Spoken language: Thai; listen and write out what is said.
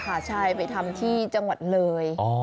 อ๋อเหรอใช่ค่ะไปทำที่จังหวัดเลย